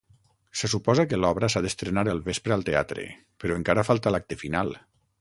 Se suposa que l'obra s'ha d'estrenar el vespre al teatre, però encara falta l'acte final.